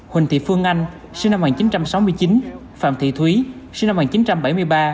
huỳnh thị phương anh sinh năm một nghìn chín trăm sáu mươi chín phạm thị thúy sinh năm một nghìn chín trăm bảy mươi ba